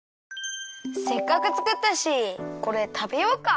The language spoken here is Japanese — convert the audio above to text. せっかくつくったしこれたべようか。